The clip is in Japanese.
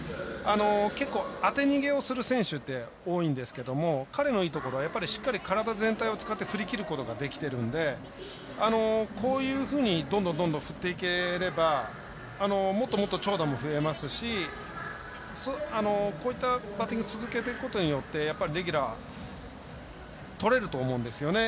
結構、当て逃げをする選手って多いんですけども彼のいいところはしっかり体全体を使って振り切ることができているのでこういうふうにどんどん振っていければもっともっと長打も増えますしこういったバッティング続けていくことによってレギュラーとれると思うんですよね。